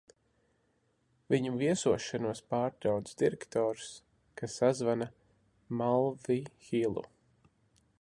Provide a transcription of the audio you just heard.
Viņu viesošanos pārtrauc direktors, kas sazvana Malvihilu.